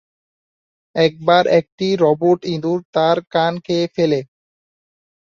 একবার একটি রোবট ইঁদুর তার কান খেয়ে ফেলে।